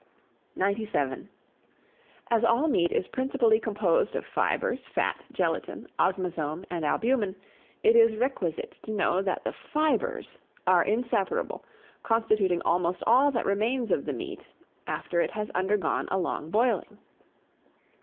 97. AS ALL MEAT is principally composed of fibres, fat, gelatine, osmazome, and albumen, it is requisite to know that the FIBRES are inseparable, constituting almost all that remains of the meat after it has undergone a long boiling.